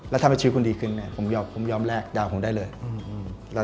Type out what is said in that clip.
และต้องรักกันจริงหรือเปล่า